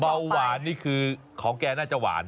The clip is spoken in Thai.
เบาหวานนี่คือของแกน่าจะหวาน